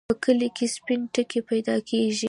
په کلي کې سپين ټکی پیدا کېږي.